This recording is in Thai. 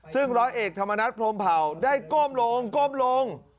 ซึ่งร้อยเอกธรรมนัฐพรมเผาได้ก้มลงก้มลง